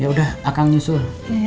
yaudah akan nyusul